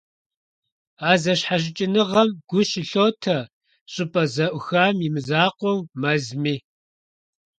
А зэщхьэщыкӀыныгъэм гу щылъотэ щӀыпӀэ зэӀухам и мызакъуэу, мэзми.